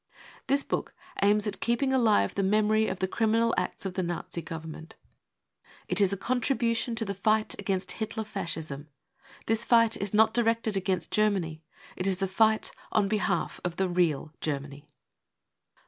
This book aims at keeping alive the memory of the criminal acts of the Nazi Government. It is a contribution # 10 FOREWORD ' to the fight against Hitler Fascism. This fight is not directed against Germany ; it is a fight on behalf of the real Germany.